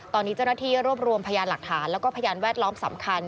ตอนนี้เจ้าหน้าที่รวบรวมพยานหลักฐานแล้วก็พยานแวดล้อมสำคัญ